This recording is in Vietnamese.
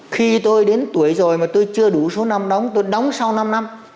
khi tôi đến tuổi rồi mà tôi chưa đủ số năm đóng tôi đóng sau năm năm